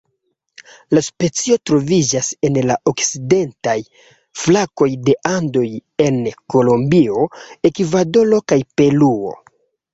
La specio troviĝas en la okcidentaj flankoj de Andoj en Kolombio, Ekvadoro kaj Peruo.